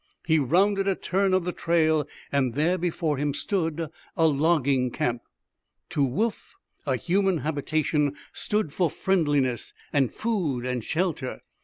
He rounded a turn of the trail, and there before him stood a logging camp. To Woof a human habitation stood for friendliness and food and shelter.